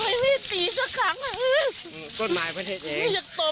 อยากโตบหน้ามัน